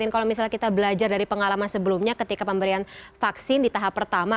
kalau misalnya kita belajar dari pengalaman sebelumnya ketika pemberian vaksin di tahap pertama